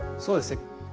そうですね。